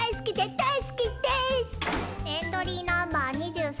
エントリーナンバー２３